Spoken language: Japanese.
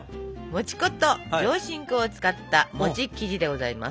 もち粉と上新粉を使った餅生地でございます。